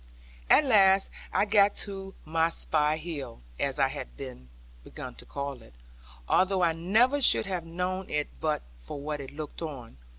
At last I got to my spy hill (as I had begun to call it), although I never should have known it but for what it looked on.